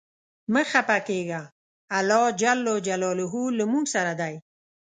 مه خپه کیږه ، الله ج له مونږ سره دی.